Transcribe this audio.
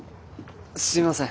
すいません。